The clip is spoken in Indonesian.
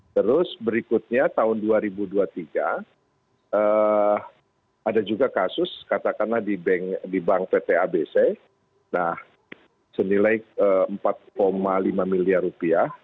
terus berikutnya tahun dua ribu dua puluh tiga ada juga kasus katakanlah di bank pt abc senilai empat lima miliar rupiah